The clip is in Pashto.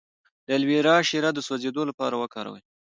د الوویرا شیره د سوځیدو لپاره وکاروئ